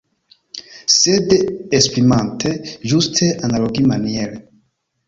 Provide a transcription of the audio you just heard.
Sed esprimante ĝuste analogimaniere.